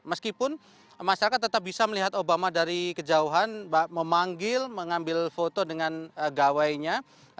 meskipun masyarakat tetap bisa melihat obama dari kejauhan memanggil mengambil foto dengan gawainya